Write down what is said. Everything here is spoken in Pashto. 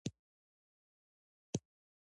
کیمیاګر د نړۍ په بیلابیلو ژبو ژباړل شوی دی.